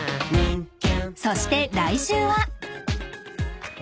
［そして来週は］